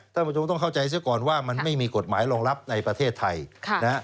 ท่านผู้ชมต้องเข้าใจเสียก่อนว่ามันไม่มีกฎหมายรองรับในประเทศไทยนะฮะ